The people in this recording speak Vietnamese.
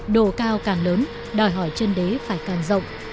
độ cao càng lớn đòi hỏi chân đế phải càng rộng